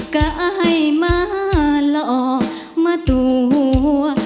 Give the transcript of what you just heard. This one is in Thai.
ก็ให้มาหลอกมาตัวหัว